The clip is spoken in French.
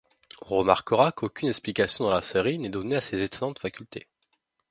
On remarquera qu'aucune explication dans la série n'est donnée à ces étonnantes facultés.